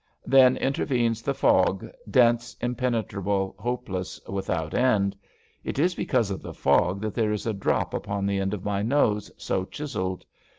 Then intervenes the fog — dense, impenetrable, hopeless, without end. It is because of the fog that there is a drop upon the end of my nose so chiselled.